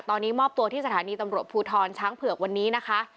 ตอนนี้มอบตัวที่สถานีตำรวจภูทรช้างเผือกวันนี้นะคะ